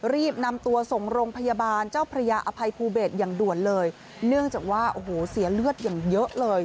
รีบนำตัวส่งโรงพยาบาลเจ้าพระยาอภัยภูเบศอย่างด่วนเลยเนื่องจากว่าโอ้โหเสียเลือดอย่างเยอะเลย